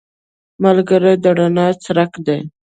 ملګری د رڼا څرک دی